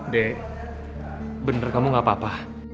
dek bener kamu gak apa apa